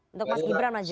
untuk mas gibran mas gibran